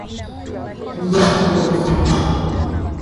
Ongeza kidogo sukari